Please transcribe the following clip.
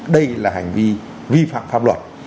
đây là hành vi vi phạm pháp luật